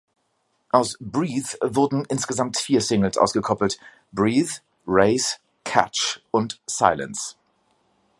Aus "Breathe" wurden insgesamt vier Singles ausgekoppelt: "Breathe", "Race", "Catch" und "Silence".